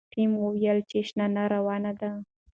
ټیم وویل چې شننه روانه ده.